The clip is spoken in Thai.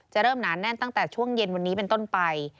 เริ่มหนาแน่นตั้งแต่ช่วงเย็นวันนี้เป็นต้นไป